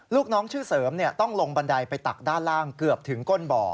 ลูกน้องชื่อเสริมต้องลงบันไดไปตักด้านล่างเกือบถึงก้นบ่อ